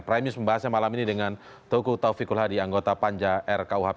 prime news membahasnya malam ini dengan tuku taufik kulhadi anggota panja ru kuhp